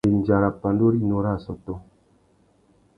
Ndéndja râ pandú rinú râ assôtô.